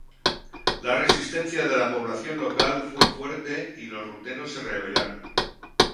La resistencia de la población local fue fuerte y los rutenos se rebelaron.